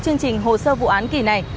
chương trình hồi sơ vụ án kỷ này